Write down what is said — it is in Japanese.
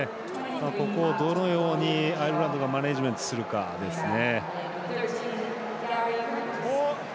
ここをどのようにアイルランドがマネージメントするかですね。